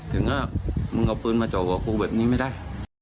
ถึงก็มึงเอาปืนมาจ่อหัวกูแบบนี้ไม่ได้